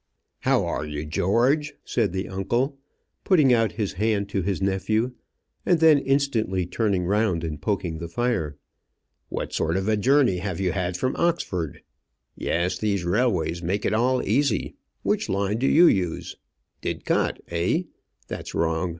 "How are you, George?" said the uncle, putting out his hand to his nephew, and then instantly turning round and poking the fire. "What sort of a journey have you had from Oxford? Yes, these railways make it all easy. Which line do you use? Didcot, eh? That's wrong.